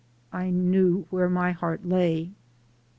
I knew where my heart lay.